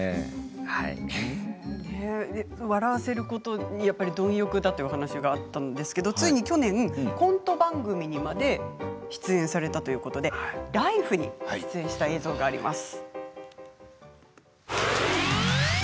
笑わせることに貪欲だというお話がありましたがついに去年コント番組にまで出演されたということで「ＬＩＦＥ！」の映像があります。